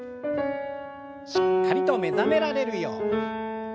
しっかりと目覚められるように。